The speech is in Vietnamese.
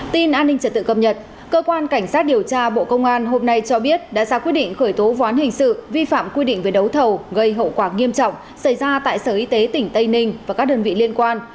tin an ninh trật tự cập nhật cơ quan cảnh sát điều tra bộ công an hôm nay cho biết đã ra quyết định khởi tố ván hình sự vi phạm quy định về đấu thầu gây hậu quả nghiêm trọng xảy ra tại sở y tế tỉnh tây ninh và các đơn vị liên quan